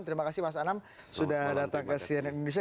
terima kasih mas anam sudah datang ke cnn indonesia